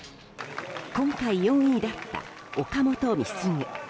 今回４位だった岡本碧優。